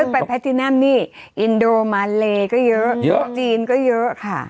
ไปแพทินัมนี่อินโดมาเลก็เยอะจีนก็เยอะค่ะ